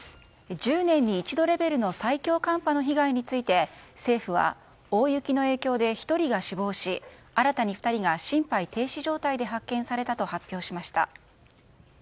１０年に一度レベルの最強寒波の被害について政府は大雪の影響で１人が死亡し新たに２人が心肺停止状態で発見されたと発表しました。